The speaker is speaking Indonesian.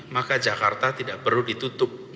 maka jakarta tidak perlu ditutup